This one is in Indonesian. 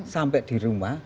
sampai di rumah